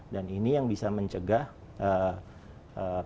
dan ini yang bisa mencegah perang